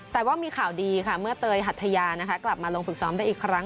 แต่ว่ามีข่าวดีค่ะเมื่อเตยหัทยากลับมาลงฝึกซ้อมได้อีกครั้ง